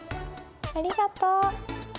ありがとう。